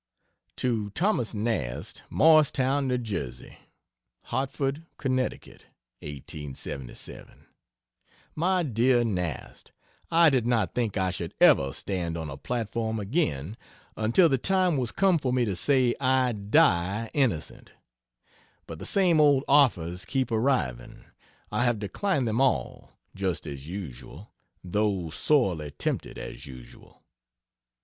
To Thomas Nast, Morristown, N. J.: HARTFORD, CONN. 1877. MY DEAR NAST, I did not think I should ever stand on a platform again until the time was come for me to say "I die innocent." But the same old offers keep arriving. I have declined them all, just as usual, though sorely tempted, as usual.